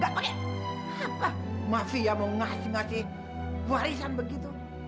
apa mafia mau ngasih ngasih warisan begitu